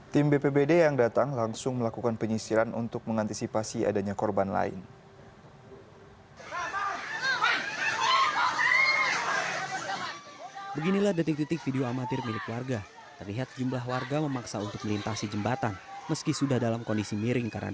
tim bpbd yang datang langsung melakukan penyisiran untuk mengantisipasi adanya korban lain